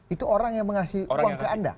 itu orang yang mengasih uang ke anda